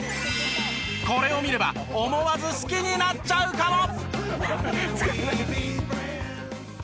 これを見れば思わず好きになっちゃうかも！？